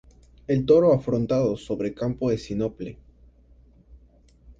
El toro afrontado sobre campo de sinople.